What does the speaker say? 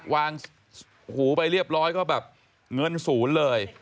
หูไปเรียบร้อยก็แบบเงินศูนย์เลย